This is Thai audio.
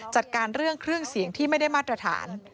จัดการเรื่องเครื่องเสียงที่ไม่ได้มาตรฐาน